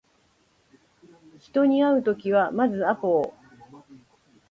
人に会うときはまずアポを